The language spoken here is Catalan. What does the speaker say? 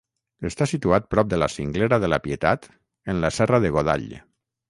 Està situat prop de la cinglera de la Pietat en la serra de Godall.